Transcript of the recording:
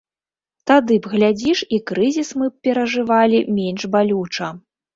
Тады б, глядзіш, і крызіс мы б перажывалі менш балюча.